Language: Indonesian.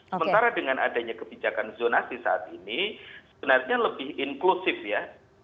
sementara dengan adanya kebijakan zonasi saat ini sebenarnya lebih inklusif ya